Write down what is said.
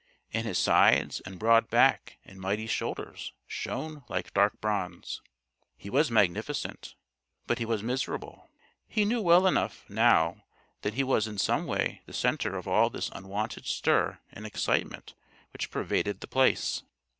And his sides and broad back and mighty shoulders shone like dark bronze. He was magnificent but he was miserable. He knew well enough, now, that he was in some way the center of all this unwonted stir and excitement which pervaded The Place.